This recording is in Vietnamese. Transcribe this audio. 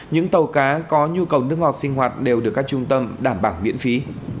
những tàu cá có nhu cầu nước ngọt sinh hoạt đều được các trung tâm đảm bảo miễn phí